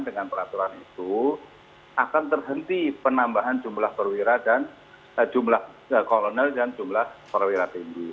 dengan peraturan itu akan terhenti penambahan jumlah perwira dan jumlah kolonel dan jumlah perwira tinggi